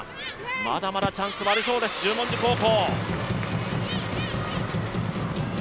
まだまだチャンスはありそうです、十文字高校。